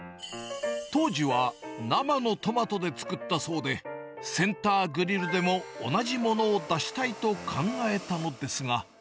当時は生のトマトで作ったそうで、センターグリルでも同じものを出したいと考えたのですが。